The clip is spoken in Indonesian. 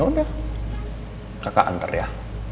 yaudah kakak antar ya